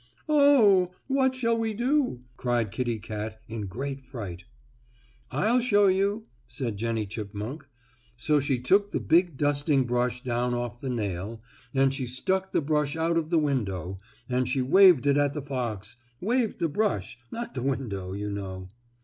"Oh! what shall we do?" cried Kittie Kat in great fright. "I'll show you," said Jennie Chipmunk. So she took the big dusting brush down off the nail, and she stuck the brush out of the window, and she waved it at the fox waved the brush, not the window you know.